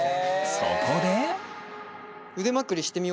そこで。